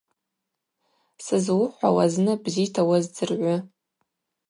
Сызуыхӏвауа зны бзита уаздзыргӏвы.